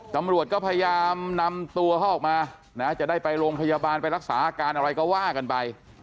ตำรวจก็พยายามนำตัวเขาออกมานะจะได้ไปโรงพยาบาลไปรักษาอาการอะไรก็ว่ากันไป